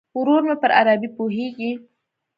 ورور مې پر عربي پوهیږي.